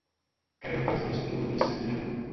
Creu que els disturbis seguiran?